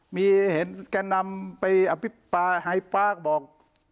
มีเห็นแกนนำไปหายปลากบอก